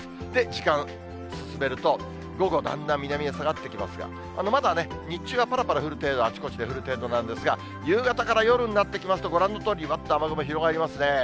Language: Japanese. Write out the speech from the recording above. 時間進めると、午後、だんだん南へ下がってきますが、まだね、日中はぱらぱら降る程度、あちこち降る程度なんですが、夕方から夜になってきますと、ご覧のとおり、わっと雨雲広がりますね。